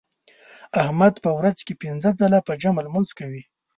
احمد په ورځ کې پینځه ځله په جمع لمونځ کوي.